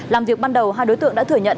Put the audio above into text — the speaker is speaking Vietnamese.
làm việc ban đầu hai đối tượng đã thừa nhận